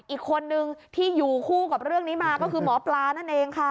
อีกคนนึงที่อยู่คู่กับเรื่องนี้มาก็คือหมอปลานั่นเองค่ะ